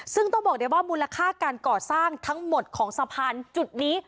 ซึ่งต้องบอกได้ว่ามูลค่าการก่อสร้างทั้งหมดของสะพานจุดนี้